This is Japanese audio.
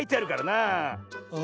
あ！